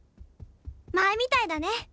前みたいだね。